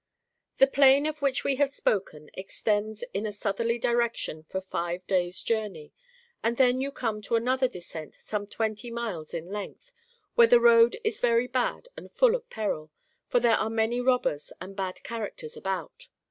The Plain of which we have spoken extends in a southerly direction for five days' journey, and then you come to another descent some twenty miles in length, where the road is very bad and full of peril, for there are many robbers and bad characters about.